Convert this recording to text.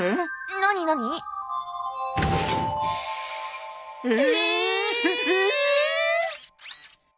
何何？え！